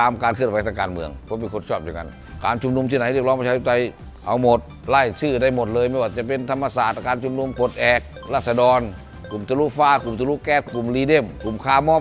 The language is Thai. แอ๊กรัศดรกลุ่มทะลูฟ่ากลุ่มทะลูแก๊สกลุ่มลีเด็มกลุ่มคามอบ